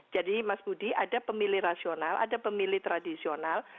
jadi mas budi ada pemilih rasional ada pemilih tradisional